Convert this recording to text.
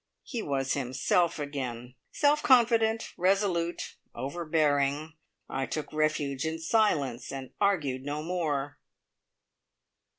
He was himself again: self confident, resolute, overbearing. I took refuge in silence, and argued no more.